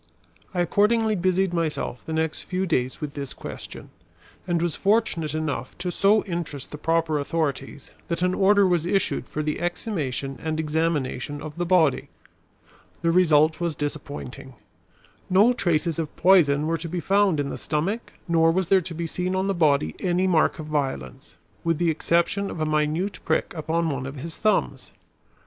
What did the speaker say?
I accordingly busied myself the next few days with this question, and was fortunate enough to so interest the proper authorities that an order was issued for the exhumation and examination of the body. The result was disappointing. No traces of poison were to be, found in the stomach nor was there to be seen on the body any mark of violence, with the exception of a minute prick upon one of his thumbs.